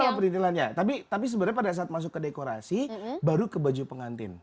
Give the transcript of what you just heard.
ini mah perintilannya tapi sebenarnya pada saat masuk ke dekorasi baru ke baju pengantin